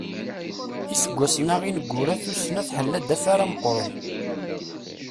Iseggasen-a ineggura tussna tḥella-d afara meqqren.